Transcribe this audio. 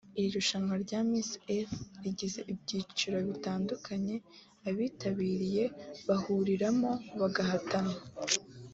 Iri rushanwa rya Miss Earth rigira ibyiciro bitandukanye abitabiriye bahuriramo bagahatana